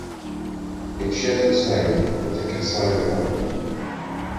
It shares its name with the Kasai River.